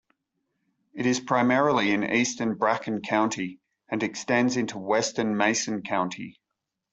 It is primarily in eastern Bracken County and extends into western Mason County.